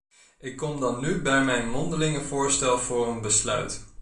Ik kom dan nu bij mijn mondelinge voorstel voor een besluit.